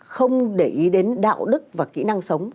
không để ý đến đạo đức và kỹ năng sống